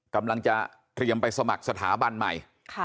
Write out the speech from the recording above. กำลังจะเตรียมไปสมัครสถาบันใหม่